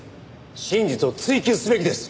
真実を追及すべきです。